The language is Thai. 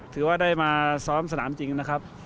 ถือว่าได้มาซ้อมสนามจริงนะครับ